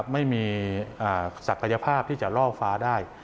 ไม่มีศักยภาพที่จะล่อฟ้าได้